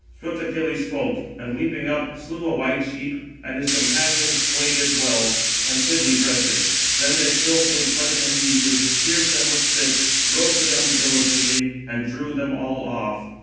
Swift Achilles spoke, and leaping up, slew a white sheep, and his companions flayed it well, and fitly dressed it; then they skilfully cut it in pieces, pierced them with spits, roasted them diligently, and drew them all off.